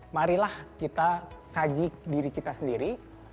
marilah kita kaji diri kita sendiri